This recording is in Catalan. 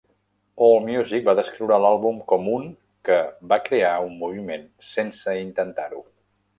Allmusic va descriure l'àlbum com un que va crear un moviment sense intentar-ho.